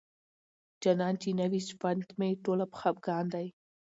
جانان چې نوي ژوند مي ټوله په خفګان دی